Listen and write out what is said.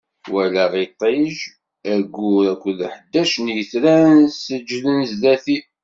Walaɣ iṭij, aggur akked ḥdac n yetran seǧǧden zdat-i.